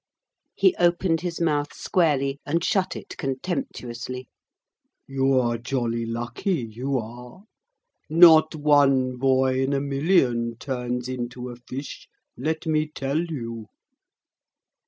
He opened his mouth squarely and shut it contemptuously. 'You're jolly lucky, you are. Not one boy in a million turns into a fish, let me tell you.'